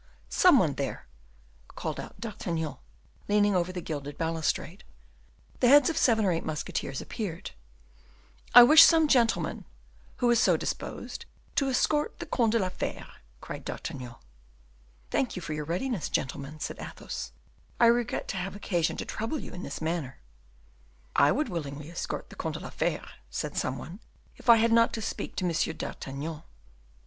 _ some one there," called out D'Artagnan, leaning over the gilded balustrade. The heads of seven or eight musketeers appeared. "I wish some gentleman, who is so disposed, to escort the Comte de la Fere," cried D'Artagnan. "Thank you for your readiness, gentlemen," said Athos; "I regret to have occasion to trouble you in this manner." "I would willingly escort the Comte de la Fere," said some one, "if I had not to speak to Monsieur d'Artagnan."